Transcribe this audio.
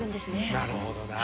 なるほどな。